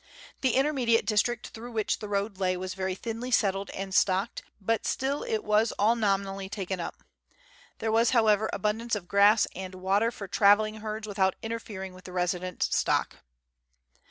The intermediate district through which the road lay was very thinly settled and stocked, but still it was all nominally taken up. There was, however, abundance of grass and water for travelling herds without interfering with the resident stock.